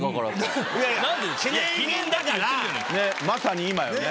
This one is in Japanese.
まさに今よね。